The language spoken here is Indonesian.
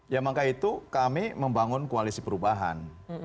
ya maka itu kami membangun koalisi perubahan